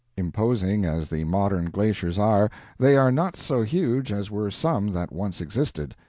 Imposing as the modern glaciers are, they are not so huge as were some that once existed.